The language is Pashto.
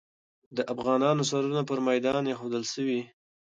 د افغانانو سرونه پر میدان ایښودل سوي.